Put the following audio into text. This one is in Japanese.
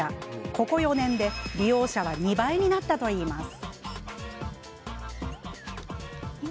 ここ４年で利用者は２倍になったといいます。